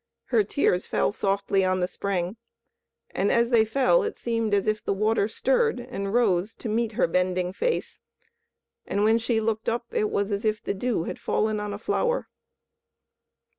Her tears fell softly on the spring, and as they fell it seemed as if the water stirred and rose to meet her bending face, and when she looked up it was as if the dew had fallen on a flower.